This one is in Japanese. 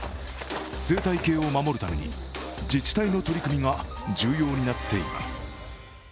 生態系を守るために自治体の取り組みが重要になっています。